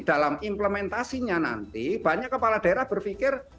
dalam implementasinya nanti banyak kepala daerah berpikir